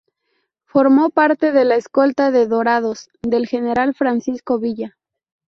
Formó parte de la escolta de ""Dorados"" del general Francisco Villa.